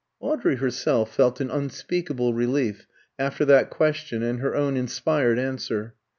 Audrey herself felt an unspeakable relief after that question and her own inspired answer.